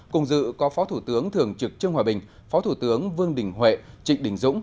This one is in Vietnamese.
cùng dự có phó thủ tướng thường trực trương hòa bình phó thủ tướng vương đình huệ trịnh đình dũng